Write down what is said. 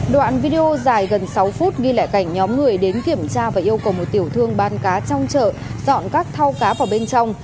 đoạn video dài gần sáu phút ghi lại cảnh nhóm người đến kiểm tra và yêu cầu một tiểu thương bán cá trong chợ dọn các thao cá vào bên trong